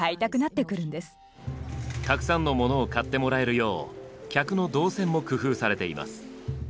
たくさんのものを買ってもらえるよう客の動線も工夫されています。